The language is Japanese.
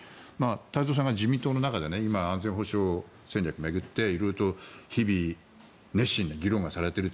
太蔵さんが自民党の中で今、安全保障戦略を巡って色々と日々熱心な議論がされている。